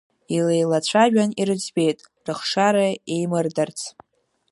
Илеилацәажәан ирыӡбеит, рыхшара еимырдарц.